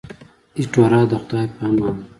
ایټوره د خدای په امان.